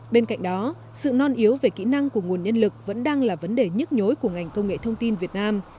bên cạnh đó sự non yếu về kỹ năng của nguồn nhân lực vẫn đang là vấn đề nhức nhối của ngành công nghệ thông tin việt nam